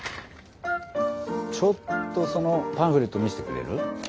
ちょっとそのパンフレット見せてくれる？